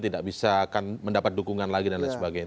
tidak bisa akan mendapat dukungan lagi dan lain sebagainya